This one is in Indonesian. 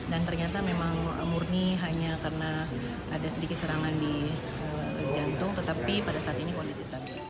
dan ternyata memang murni hanya karena ada sedikit serangan di jantung tetapi pada saat ini kondisi stabil